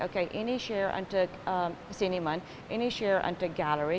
oke berapa bagian untuk siniman berapa bagian untuk galeri